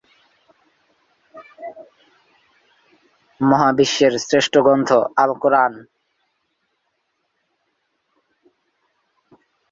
এই ঘটনার আগের দিন করাচি কিংসের হয়ে ম্যান অফ দ্য ম্যাচ হন বাংলাদেশের সাকিব আল হাসান।